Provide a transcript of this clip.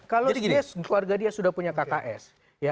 kalau keluarga dia sudah punya kks